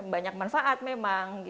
banyak manfaat memang